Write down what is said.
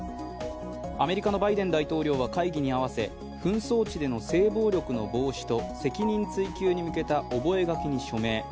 アメリカのバイデン大統領は会議にあわせ、紛争地での性暴力の防止と責任追及に向けた覚書に署名。